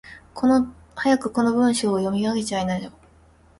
早くこの文章を読み上げちゃいなよ。